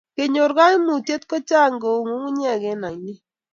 chekonyor kaimutiet ko chang ko u ngunguyek eng ainet